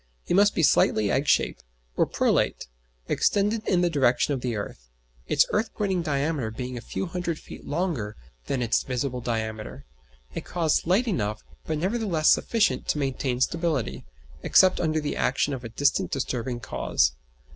It must be slightly egg shape, or prolate extended in the direction of the earth; its earth pointing diameter being a few hundred feet longer than its visible diameter; a cause slight enough, but nevertheless sufficient to maintain stability, except under the action of a distinct disturbing cause.